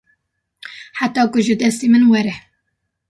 heta ku ji destê min were